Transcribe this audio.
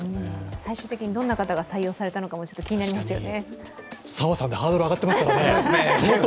最終的にどんな人が採用されたのか気になりますね。